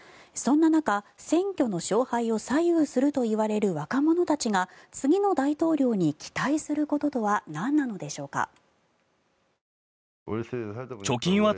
そんな中、選挙の勝敗を左右するといわれる若者たちが次の大統領に期待することとは何なのでしょうか。